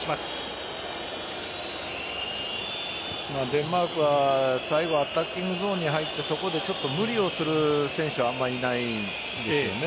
デンマークは最後アタッキングゾーンに入ってそこで無理をする選手があまりいないんですよね。